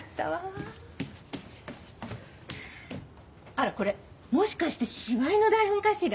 あらこれもしかして芝居の台本かしら？